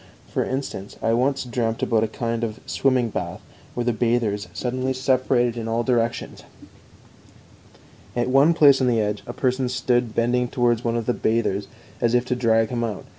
For instance, I once dreamt about a kind of swimming bath where the bathers suddenly separated in all directions; at one place on the edge a person stood bending towards one of the bathers as if to drag him out.